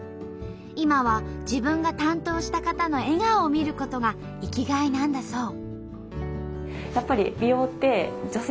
今は自分が担当した方の笑顔を見ることが生きがいなんだそう。